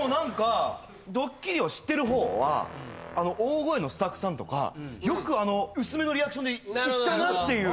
ドッキリを知ってる方は大声のスタッフさんとかよくあの薄めのリアクションでいったなっていう。